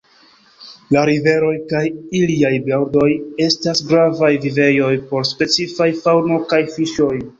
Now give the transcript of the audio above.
La riveroj kaj iliaj bordoj estas gravaj vivejoj por specifaj faŭno kaj fiŝoj.